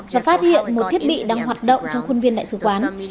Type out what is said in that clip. và phát hiện một thiết bị đang hoạt động trong khuôn viên đại sứ quán